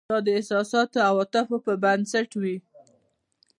دا د احساس او عواطفو پر بنسټ وي.